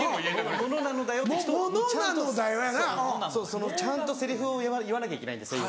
そのちゃんとセリフを言わなきゃいけないんですよ。